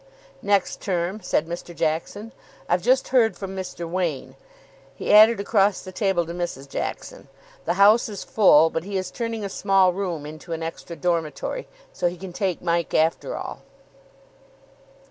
"Next term," said Mr. Jackson. "I've just heard from Mr. Wain," he added across the table to Mrs. Jackson. "The house is full, but he is turning a small room into an extra dormitory, so he can take Mike after all."